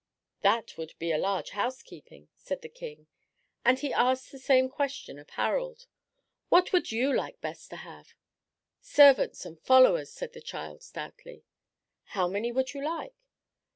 "That would be a large housekeeping," said the king, and he asked the same question of Harald. "What would you like best to have?" "Servants and followers," said the child, stoutly. "How many would you like?"